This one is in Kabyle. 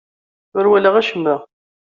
Ur walaɣ acemma.